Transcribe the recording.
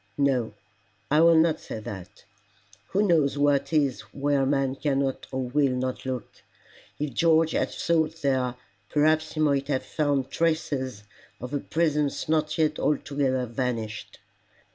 No I will not say that: who knows what is where man cannot or will not look? If George had sought there, perhaps he might have found traces of a presence not yet altogether vanished.